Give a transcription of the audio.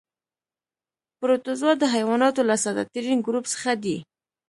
پروتوزوا د حیواناتو له ساده ترین ګروپ څخه دي.